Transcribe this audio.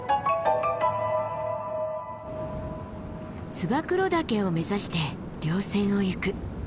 燕岳を目指して稜線をゆく。